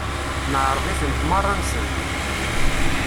Neεreḍ-itent merra-nsent.